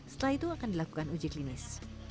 setelah itu akan dilakukan uji klinis